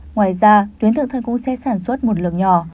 ngoài ra tuyến thượng thân cũng sẽ sản xuất một lượng nhỏ